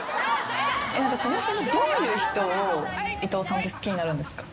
そもそもどういう人を伊藤さん好きになるんですか？